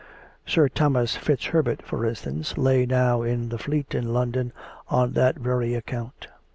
Sir Thomas FitzHerbert, for instance, lay now in the Fleet in London on that very account.